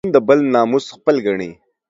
پښتون د بل ناموس خپل ګڼي